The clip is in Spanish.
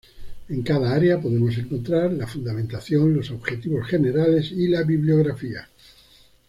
En cada área podemos encontrar: la fundamentación, los objetivos generales y la bibliografía.